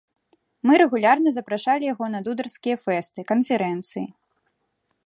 Мы рэгулярна запрашалі яго на дударскія фэсты, канферэнцыі.